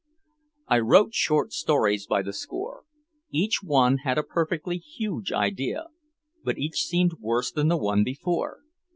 I wrote short stories by the score. Each one had a perfectly huge idea but each seemed worse than the one before.